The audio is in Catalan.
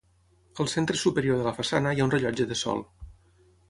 Al centre superior de la façana hi ha un rellotge de sol.